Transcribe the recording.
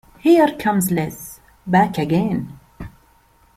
Here comes Liz, back again!